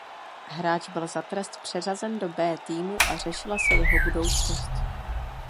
Hráč byl za trest přeřazen do „B“ týmu a řešila se jeho budoucnost.